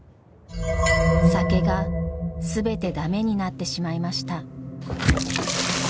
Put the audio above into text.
酒が全て駄目になってしまいました。